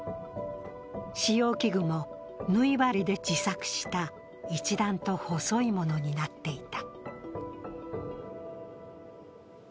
使用器具も縫い針で自作した一段と細いものになっていた。